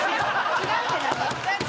違うって何？